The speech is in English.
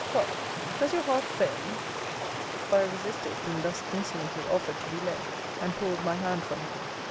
What! does your heart fail you? for I resisted, being thus insolently offered to be led, and pulled my hand from her.